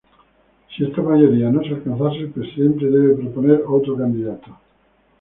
Si esta mayoría no se alcanzase, el presidente debe proponer otro candidato.